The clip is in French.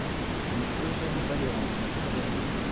Rue Eugène Vallerand, Taverny